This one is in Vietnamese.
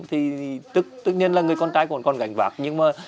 thì tự nhiên là người con trai còn gảnh vạc nhưng mà